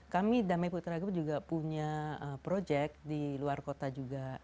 kami damai putra agung juga punya project di luar kota juga